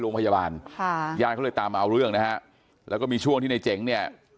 โครงพยาบาลย่าขึ้นตามเอาเรื่องแล้วก็มีช่วงที่ในเจ๋งเนี่ย